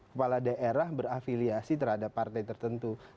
kepala daerah berafiliasi terhadap partai tertentu